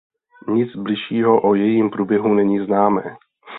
Nic bližšího o jejím průběhu není známé.